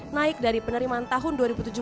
naik dari penerimaan tahun dua ribu tujuh belas